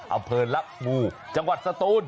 อำเภอลักษมณ์จังหวัดสตูน